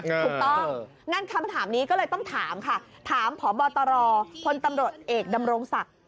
ถูกต้องงั้นคำถามนี้ก็เลยต้องถามค่ะถามพบตรพลตำรวจเอกดำรงศักดิ์